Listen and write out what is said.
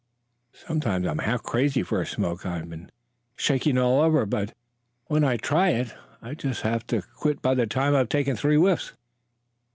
Sometimes I'm half crazy for a smoke I'm shaking all over; but when I try it I just have to quit by the time I've taken three whiffs."